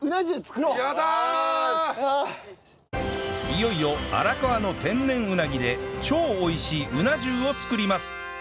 いよいよ荒川の天然うなぎで超美味しいうな重を作ります